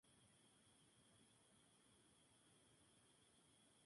El campeón además clasifica al Campeonato Sudamericano de Clubes.